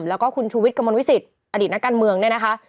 แล้วก็คุณชูวิทย์กระมวลวิสิตอดีตนักการเมืองเนี่ยนะคะ